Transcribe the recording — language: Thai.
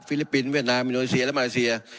ฟิลิปปินส์เวียดนามีโนโลเซียและมาเลเซีย